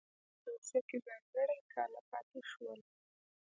مغولان په روسیه کې ځانګړي کاله پاتې شول.